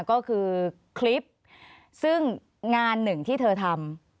ขอบคุณครับ